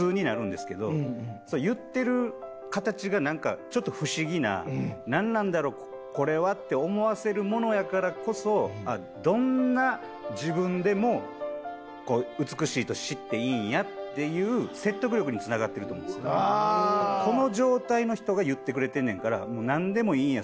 言ってる形がなんかちょっと不思議な「なんなんだろう？これは」って思わせるものやからこそどんな自分でも美しいと知っていいんやっていうこの状態の人が言ってくれてんねんからなんでもいいんや。